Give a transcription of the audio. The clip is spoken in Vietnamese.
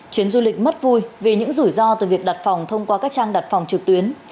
chuyến du lịch mất vui vì những rủi ro từ việc đặt phòng thông qua các trang đặt phòng trực tuyến